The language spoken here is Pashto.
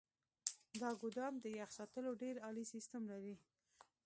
دا ګودام د يخ ساتلو ډیر عالي سیستم لري.